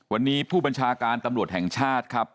วันนี้ผู้บัญชาการตำรวจแห่งชาติครับ